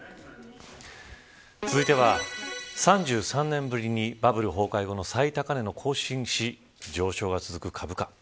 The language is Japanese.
続いては、３３年ぶりにバブル崩壊後の最高値を更新し上昇が続く株価。